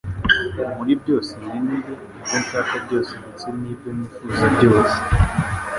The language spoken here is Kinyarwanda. Muri byose nkeneye, ibyo nshaka byose ndetse n'ibyo nifuza byose.